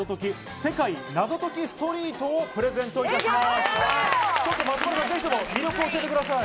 セカイナゾトキストリート』をプレゼントいたします。